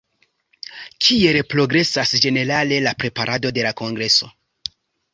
Kiel progresas ĝenerale la preparado de la kongreso?